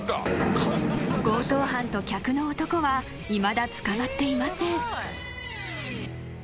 ［強盗犯と客の男はいまだ捕まっていません］